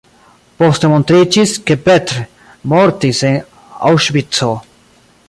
Poste montriĝis, ke Petr mortis en Aŭŝvico.